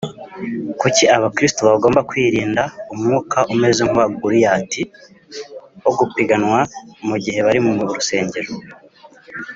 Kuki Abakristo bagomba kwirinda umwuka umeze nk’uwa Goliyati wo gupiganwa mu gihe bari mu rusengero